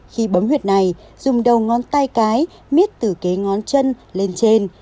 khi bấm huyệt này dùng đầu ngón tay cái mít từ kế ngón chân lên trên